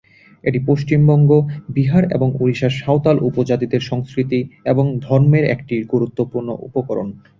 এটি পশ্চিমবঙ্গ, বিহার এবং ওড়িশার সাঁওতাল উপজাতিদের সংস্কৃতি এবং ধর্মের একটি গুরুত্বপূর্ণ উপকরণ।